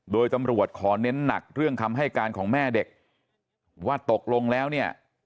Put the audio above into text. โดยตำรวจขอเน้นหนักเรื่องคำให้การของแม่เด็กว่าตกลงแล้วเนี่ย